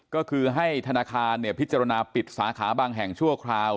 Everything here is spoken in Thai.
ก็คือให้ธนาคารพิจารณาปิดสาขาบางแห่งชั่วคราว